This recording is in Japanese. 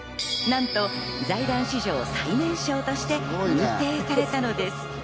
なんと財団史上最年少として認定されたのです。